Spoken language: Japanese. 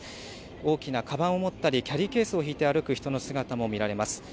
大きなかばんを持ったり、キャリーケースを引いて歩く人の姿も見られます。